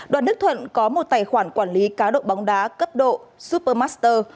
đoàn đức thuận có một tài khoản quản lý cá độ bóng đá cấp độ supermaster